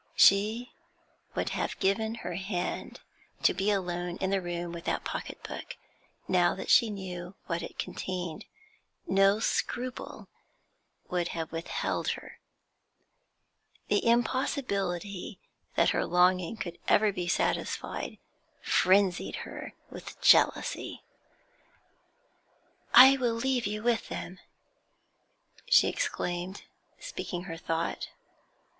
She would have given her hand to be alone in the room with that pocket book, now that she knew what it contained; no scruple would have withheld her. The impossibility that her longing could ever be satisfied frenzied her with jealousy. 'I will leave you with them,' she exclaimed, speaking her' thought.